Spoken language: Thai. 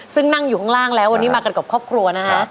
ซึ่งนั่งอยู่ข้างล่างแล้ววันนี้มากันกับครอบครัวนะฮะ